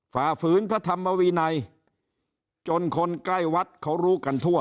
ฝ่าฝืนพระธรรมวินัยจนคนใกล้วัดเขารู้กันทั่ว